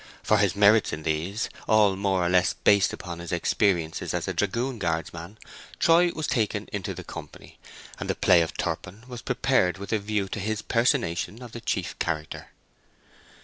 For his merits in these—all more or less based upon his experiences as a dragoon guardsman—Troy was taken into the company, and the play of Turpin was prepared with a view to his personation of the chief character.